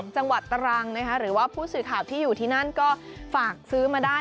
จังหวัดตรังนะคะหรือว่าผู้สื่อข่าวที่อยู่ที่นั่นก็ฝากซื้อมาได้